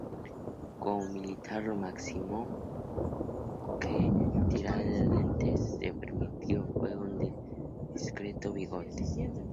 Como militar, lo máximo que Tiradentes se permitió fue un discreto bigote.